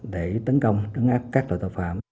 để tấn công đứng áp các loại tội phạm